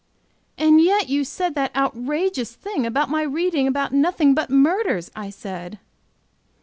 "And yet you said that outrageous thing about my reading about nothing but murders!" I said.